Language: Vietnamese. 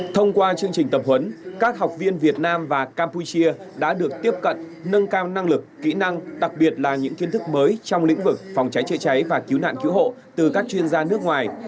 thông qua chương trình tập huấn các học viên việt nam và campuchia đã được tiếp cận nâng cao năng lực kỹ năng đặc biệt là những kiến thức mới trong lĩnh vực phòng cháy chữa cháy và cứu nạn cứu hộ từ các chuyên gia nước ngoài